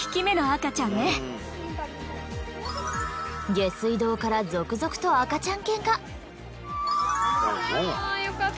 下水道から続々と赤ちゃん犬が。